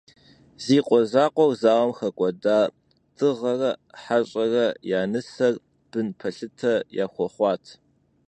Зи къуэ закъуэр зауэм хэкӏуэда Дыгъэрэ Хьэщӏэрэ я нысэр бын пэлъытэ яхуэхъуат.